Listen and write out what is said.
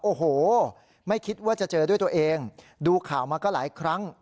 โอ้โหไม่คิดว่าจะเจอด้วยตัวเองดูข่าวมาก็หลายครั้ง